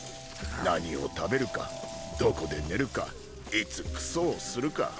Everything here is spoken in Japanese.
何を食べるかどこで寝るかいつクソをするか。